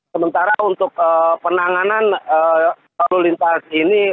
sementara untuk penanganan lalu lintas ini